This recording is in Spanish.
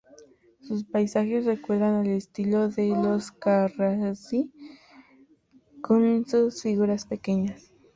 Sus paisajes recuerdan al estilo de los Carracci con sus figuras pequeñas.